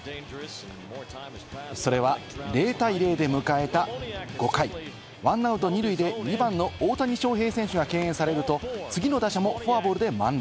それは０対０で迎えた５回、１アウト２塁で２番の大谷翔平選手が敬遠されると、次の打者もフォアボールで満塁。